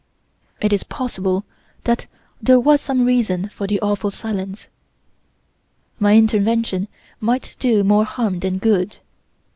"It is possible that there was some reason for the awful silence. My intervention might do more harm than good.